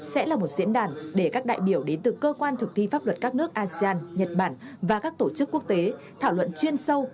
sẽ là một diễn đàn để các đại biểu đến từ cơ quan thực thi pháp luật các nước asean nhật bản và các tổ chức quốc tế thảo luận chuyên sâu